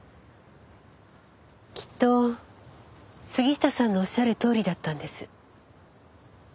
きっと杉下さんのおっしゃるとおりだったんです。